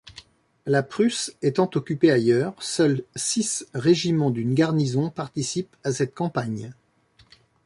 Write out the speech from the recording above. La Prusse étant occupée ailleurs, seuls six régiments d’une garnison participent à cette campagne.